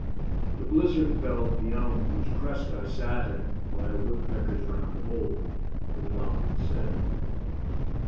The blizzard felled the elm whose crest I sat in, by a woodpecker's round hole, The ploughman said.